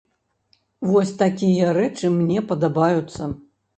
Вось такія рэчы мне падабаюцца.